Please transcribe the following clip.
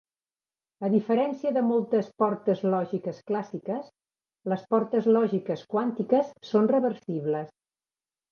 A diferència de moltes portes lògiques clàssiques, les portes lògiques quàntiques són reversibles.